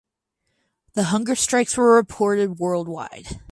The hunger strikes were reported worldwide.